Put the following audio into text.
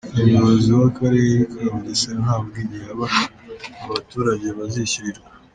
Umuyobozi w’Akarere ka Bugesera ntavuga igihe aba baturage bazishyurirwa.